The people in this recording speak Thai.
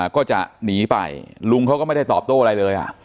ก็จะหนีไปลุงเขาก็ไม่ได้ตอบโต้อะไรเลย